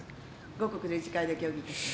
後刻、理事会で協議いたします。